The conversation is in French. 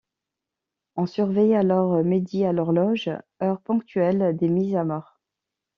On surveillait alors midi à l'horloge, heure ponctuelle des mises à mort.